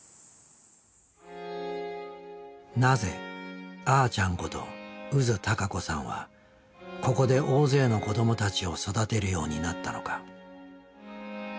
なぜあーちゃんこと宇津孝子さんはここで大勢の子どもたちを育てるようになったのか。